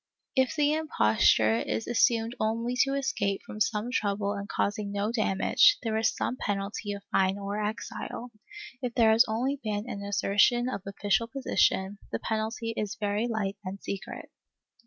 If the imposture is assumed only to escape from some trouble and causing no damage, there is some penalty of fine or exile; if there has been only an assertion of official position, the penalty is very light and secret.